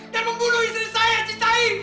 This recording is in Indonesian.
dan membunuh istri saya cita i